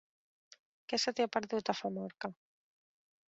Què se t'hi ha perdut, a Famorca?